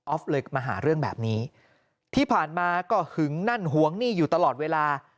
เลยมาหาเรื่องแบบนี้ที่ผ่านมาก็หึงนั่นหวงนี่อยู่ตลอดเวลา